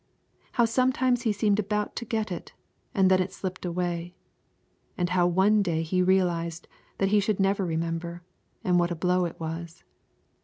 How sometimes he seemed about to get it, and then it slipped away, and how one day he realised that he should never remember, and what a blow it was.